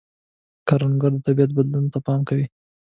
کروندګر د طبیعت بدلون ته پام کوي